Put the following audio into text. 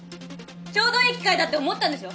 ちょうどいい機会だって思ったんでしょ？